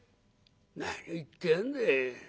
何を言ってやんだ。